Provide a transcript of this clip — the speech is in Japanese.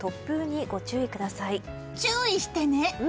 注意してね！